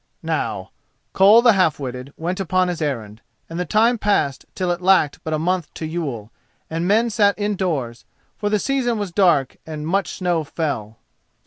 Now, Koll the Half witted went upon his errand, and the time passed till it lacked but a month to Yule, and men sat indoors, for the season was dark and much snow fell.